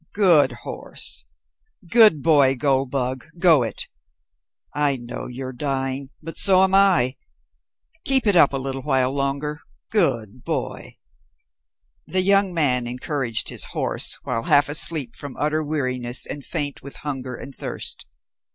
Good horse. Good boy. Goldbug go it! I know you're dying, but so am I. Keep it up a little while longer Good boy." The young man encouraged his horse, while half asleep from utter weariness and faint with hunger and thirst.